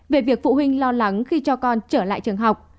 về việc phụ huynh lo lắng khi cho con trở lại trường học